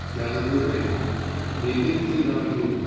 Gallegher waited. Meaghan did not move.